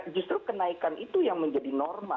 justru kenaikan itu yang menjadi norma